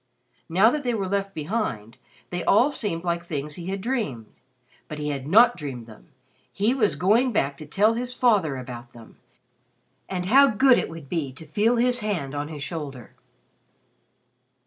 Now that they were left behind, they all seemed like things he had dreamed. But he had not dreamed them; he was going back to tell his father about them. And how good it would be to feel his hand on his shoulder!